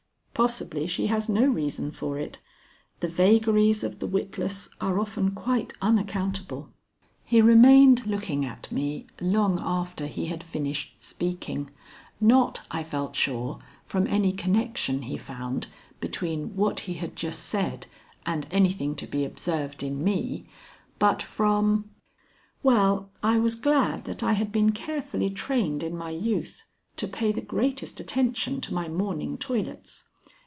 "Possibly she has no reason for it. The vagaries of the witless are often quite unaccountable." He remained looking at me long after he had finished speaking, not, I felt sure, from any connection he found between what he had just said and anything to be observed in me, but from Well, I was glad that I had been carefully trained in my youth to pay the greatest attention to my morning toilets.